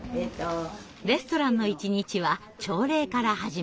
レストランの一日は朝礼から始まります。